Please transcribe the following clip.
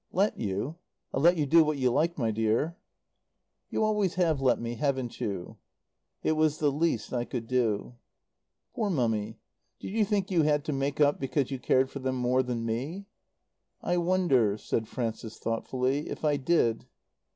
"Let you? I'll let you do what you like, my dear." "You always have let me, haven't you?" "It was the least I could do." "Poor Mummy, did you think you had to make up because you cared for them more than me?" "I wonder," said Frances, thoughtfully, "if I did."